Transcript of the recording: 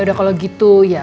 udah kalau gitu ya